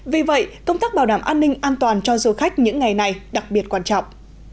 vì vậy công tác bảo đảm an ninh an toàn cho du khách những ngày này đặc biệt quan trọng